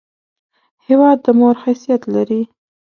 هېواد د مور حیثیت لري!